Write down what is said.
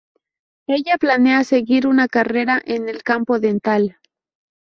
Ella planea seguir una carrera en el campo dental.